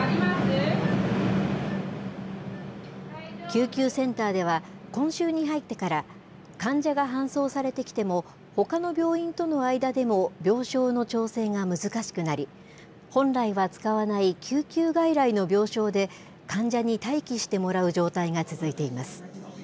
救急センターでは、今週に入ってから、患者が搬送されてきても、ほかの病院との間でも病床の調整が難しくなり、本来は使わない救急外来の病床で患者に待機してもらう状態が続いています。